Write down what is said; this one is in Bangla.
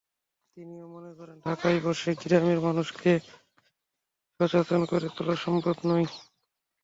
তিনিও মনে করেন, ঢাকায় বসে গ্রামের মানুষকে সচেতন করে তোলা সম্ভব নয়।